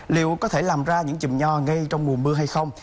liệu có thể làm ra những chùm nho ngay trong mùa mưa hay không